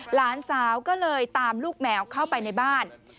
หลานสาวก็เลยตามลูกแมวเข้าไปในบ้าน